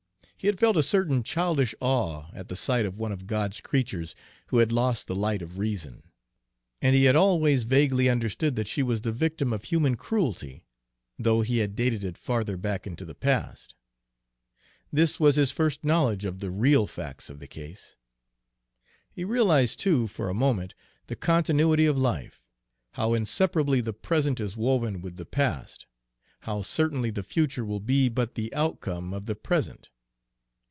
He had felt a certain childish awe at the sight of one of God's creatures who had lost the light of reason, and he had always vaguely understood that she was the victim of human cruelty, though he had dated it farther back into the past. This was his first knowledge of the real facts of the case. He realized, too, for a moment, the continuity of life, how inseparably the present is woven with the past, how certainly the future will be but the outcome of the present.